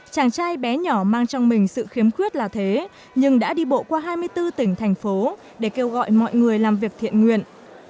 chàng trai bé nhỏ mang trong mình sự khiếm khuyết là thế nhưng đã đi bộ qua hai mươi bốn tỉnh thành phố để kêu gọi mọi người làm việc thiện nguyện